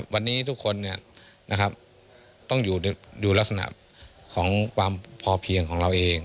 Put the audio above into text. วันนี้ทุกคนต้องอยู่ลักษณะของความพอเพียงของเราเอง